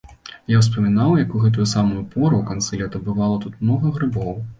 Я ўспамінаў, як у гэтую самую пору, у канцы лета, бывала тут многа грыбоў.